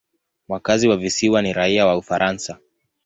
Wakazi wa visiwa ni raia wa Ufaransa.